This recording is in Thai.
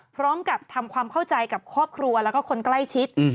พร้อมกับทำความเข้าใจกับครอบครัวแล้วก็คนใกล้ชิด